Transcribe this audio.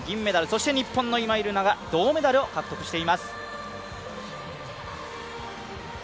そして、日本の今井月が銅メダルを獲得しています。